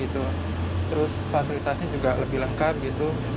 terus fasilitasnya juga lebih lengkap gitu